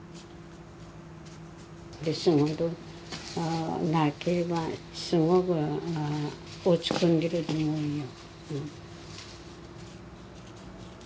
仕事なければすごく落ち込んでると思うよ。